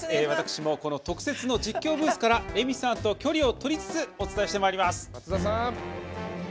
私も特設実況ブースからレミさんと距離をとりつつお伝えしていきます。